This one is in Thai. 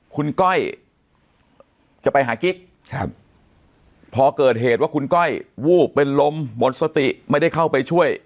คุณก้อยจะไปหากิ๊กพอเกิดเหตุว่าคุณก้อยวูบเป็นลมหมดสติไม่ได้เข้าไปช่วย